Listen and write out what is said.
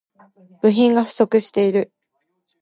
部品が不足している